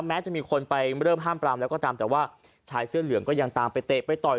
แม้จะมีคนไปเริ่มห้ามปรามแล้วก็ตามแต่ว่าชายเสื้อเหลืองก็ยังตามไปเตะไปต่อย